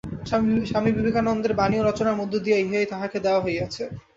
স্বামী বিবেকানন্দের বাণী ও রচনার মধ্য দিয়া ইহাই তাহাকে দেওয়া হইয়াছে।